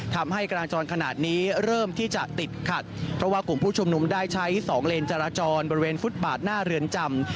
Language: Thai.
ทำให้กลางจรขนาดนี้เริ่มที่จะติดขัดเพราะว่ากลุ่มผู้ชุมนุมได้ใช้สองเลนจราจรบริเวณฟุตบาทหน้าเรือนจำ